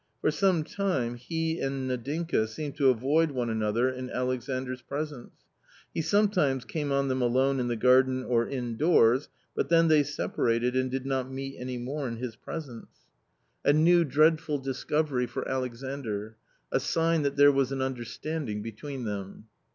For some time he and Nadinka seemed to avoid one another in Alexandra presence. He sometimes came on them alone in the garden or indoors, but then they separated and did not meet any more in his presence. A u6 A COMMON STORY new dreadful discovery for Alexandr — a sign that there was an understanding between them.